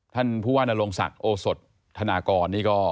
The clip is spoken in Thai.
ท่านผู้ว่านโรงศักดิ์โอสดธนากรนี่ก็